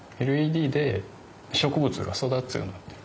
ＬＥＤで植物が育つように。